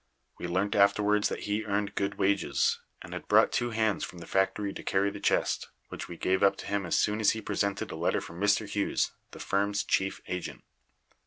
We learnt afterwards that he earned good wages. He had brought two hands from the factory to carry the chest, which we gave up to him as soon as he presented a letter from Mr. Hughes, the firm's chief agent.